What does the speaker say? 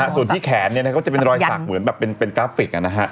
ส่วนที่แขนก็จะเป็นรอยสักเหมือนแบบเป็นกราฟิก